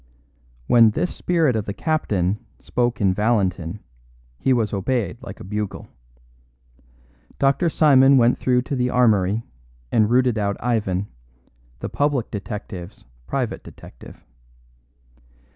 When this spirit of the captain spoke in Valentin he was obeyed like a bugle. Dr. Simon went through to the armoury and routed out Ivan, the public detective's private detective.